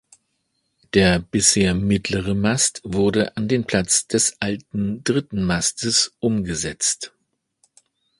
Der bisherige mittlere Mast wurde an den Platz des alten dritten Mastes umgesetzt.